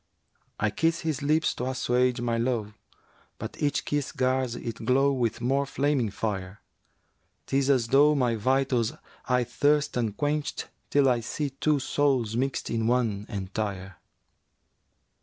I kiss his lips to assuage my lowe; * But each kiss gars it glow with more flaming fire; 'Tis as though my vitals aye thirst unquencht * Till I see two souls mixt in one entire.'